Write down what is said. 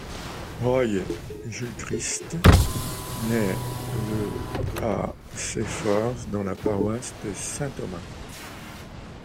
Roy Gilchrist naît le à Seaforth dans la paroisse de Saint-Thomas.